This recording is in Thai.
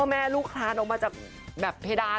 พ่อแม่ลูกคลานออกมาจากเพดาน